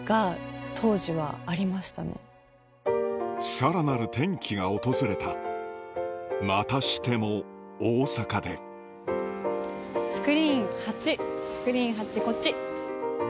さらなる転機が訪れたまたしても大阪でスクリーン８スクリーン８こっち。